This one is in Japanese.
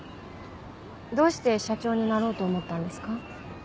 どうして社長になろうと思ったんですか？